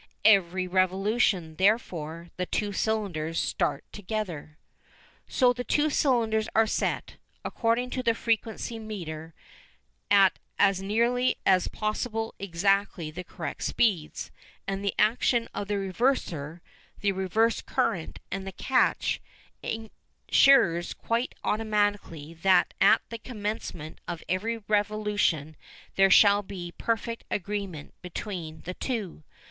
Every revolution, therefore, the two cylinders start together. So the two cylinders are set, according to the frequency meter, at as nearly as possible exactly the correct speeds, and the action of the reverser, the reverse current and the catch, ensures quite automatically that at the commencement of every revolution there shall be perfect agreement between the two.